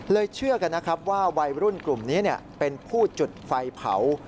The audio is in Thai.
เชื่อกันนะครับว่าวัยรุ่นกลุ่มนี้เป็นผู้จุดไฟเผา